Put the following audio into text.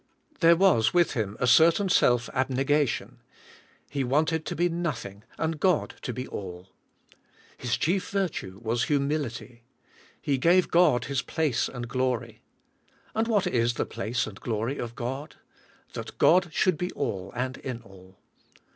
There was with Him a certain self abne gation. He wanted to be nothing" and God to be all. His chief virtue was humilitr. He sfave God His place and glory; and what is the place and glory of God? That God should be all, and in all.